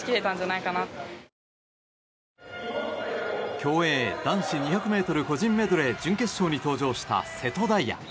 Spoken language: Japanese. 競泳男子２００ｍ個人メドレー準決勝に登場した瀬戸大也。